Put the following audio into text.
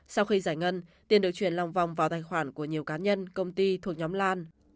sau khi giải ngân tiền được chuyển lòng vòng vào tài khoản của nhiều cá nhân công ty thuộc nhóm lan